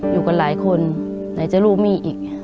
อยู่กับหลายคนไหนจะรู้มี่อีก